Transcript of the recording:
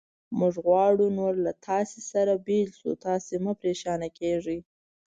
موږ غواړو نور له تاسې څخه بېل شو، تاسې مه پرېشانه کېږئ.